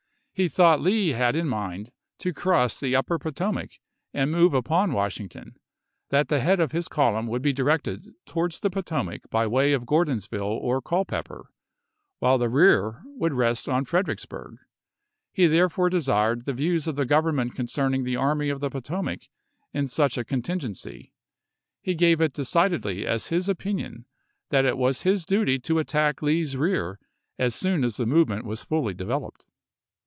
He thought Lee had it in mind to cross the Upper Potomac and move upon Washington ; that the head of his column would be directed towards the Potomac by way of Grordonsville or Culpeper, while the rear would rest on Fredericksburg ; he therefore desired the views of the Government concerning the Army ^SncoLj0 of the Potomac in such a contingency; he gave it Juw5r.863, decidedly as his opinion that it was his duty to xxvii., attack Lee's rear as soon as the movement was p^3o." fully developed.